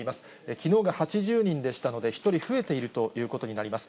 きのうが８０人でしたので、１人増えているということになります。